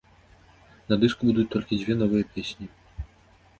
На дыску будуць толькі дзве новыя песні.